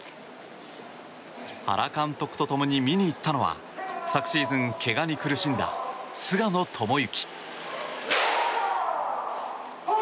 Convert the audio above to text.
原監督と共に見に行ったのは昨シーズン、けがに苦しんだ菅野智之。